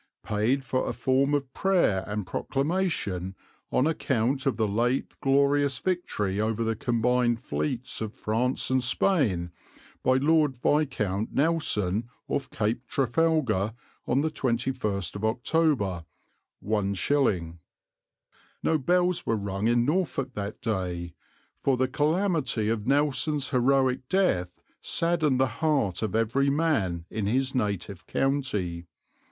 Paid for a form of Prayer and Proclamation on account of the late glorious victory over the combined fleets of France and Spain by Lord Viscount Nelson off Cape Trafalgar on 21st October, 1/". No bells were rung in Norfolk that day, for the calamity of Nelson's heroic death saddened the heart of every man in his native county.